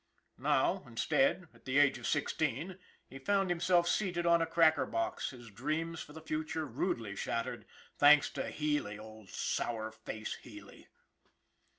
Now, instead, at the age of sixteen, he found him self seated on a cracker box, his dreams for the future rudely shattered thanks to Healy, old Sour Face Healy!